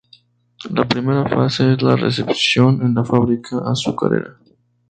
La primera fase es la recepción en la fábrica azucarera.